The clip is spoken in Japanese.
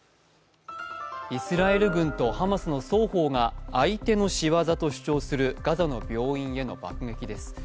イスラエル軍とハマスの双方が相手のしわざと主張するガザの病院への爆撃です。